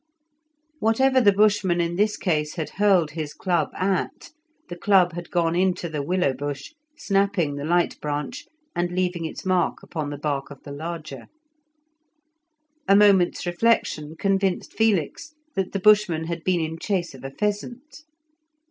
Whatever the Bushman in this case had hurled his club at, the club had gone into the willow bush, snapping the light branch and leaving its mark upon the bark of the larger. A moment's reflection convinced Felix that the Bushman had been in chase of a pheasant.